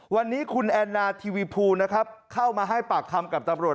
วันนี้คุณแอนนาทีวีภูนะครับเข้ามาให้ปากคำกับตำรวจ